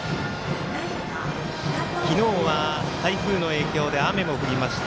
昨日は台風の影響で雨も降りました。